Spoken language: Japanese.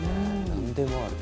何でもある。